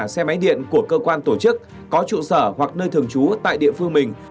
xe máy điện của cơ quan tổ chức có trụ sở hoặc nơi thường trú tại địa phương mình